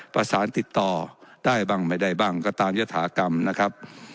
ประสานติดต่อได้บ้างไม่ได้บ้างก็ตามยฐากรรมนะครับ